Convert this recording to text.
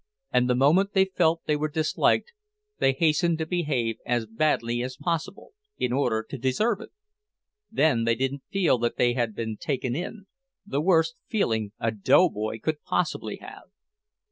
And the moment they felt they were disliked, they hastened to behave as badly as possible, in order to deserve it; then they didn't feel that they had been taken in the worst feeling a doughboy could possibly have!